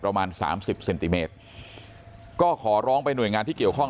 ประมาณสามสิบเซนติเมตรก็ขอร้องไปหน่วยงานที่เกี่ยวข้อง